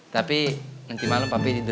tapi nanti malam papi tidur di sofa ya